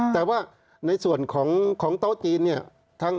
แต่ว่าในส่วนของเต้าจีน